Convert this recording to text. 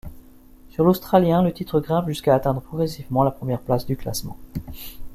Sur l’ australien, le titre grimpe jusqu'à atteindre progressivement la première place du classement.